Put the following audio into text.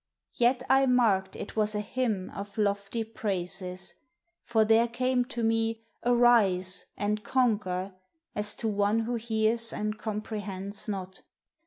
Vet I marked il was a hymn Of lofty praises; for there came to me "Arise," and " Conquer," as to one who hears And comprehends not.